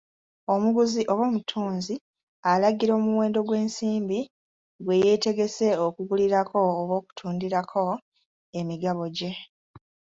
Omuguzi oba omutunzi alaga omuwendo gw'ensimbi gwe yeetegese okugulirako oba okutundirako emigabo gye.